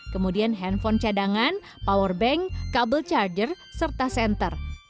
kemudian handphone cadangan powerbank kabel charger serta center